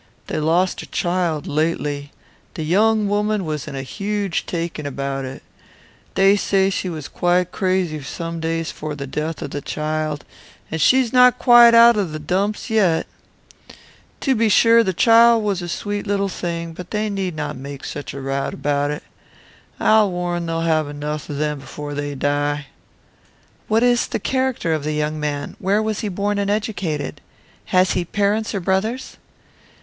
They lost a child lately. The young woman was in a huge taking about it. They say she was quite crazy some days for the death of the child; and she is not quite out of the dumps yet. To be sure, the child was a sweet little thing; but they need not make such a rout about it. I'll war'n' they'll have enough of them before they die." "What is the character of the young man? Where was he born and educated? Has he parents or brothers?"